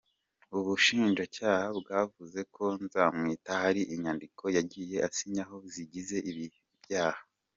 Ubushinjacyaha bwavuze ko Nzamwita hari inyandiko yagiye asinyaho zigize ibi byaha.